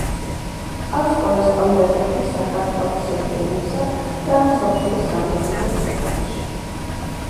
ჰყავს კორესპონდენტები საქართველოს რეგიონებსა და მსოფლიოს რამდენიმე ქვეყანაში.